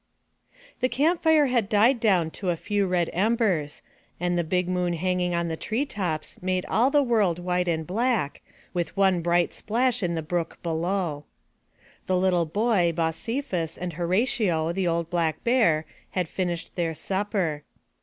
HE camp fire had died down to a few red embers, and the big moon hanging on the tree tops made all the world white and black, with one bright splash in the brook below. The Uttle boy, Bosephus, and Horatio, the old black Bear, had finished their supper.